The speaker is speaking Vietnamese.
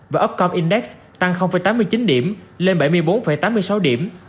và upcom index tăng tám mươi chín điểm lên bảy mươi bốn tám mươi sáu điểm